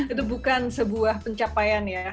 itu bukan sebuah pencapaian ya